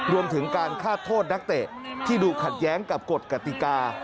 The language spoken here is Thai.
รวมถึงการฆ่าโทษนักเตะที่ดูขัดแย้งกับกฎกติกา